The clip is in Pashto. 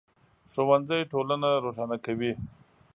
ښوونځی ټولنه روښانه کوي